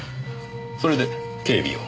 それで警備を。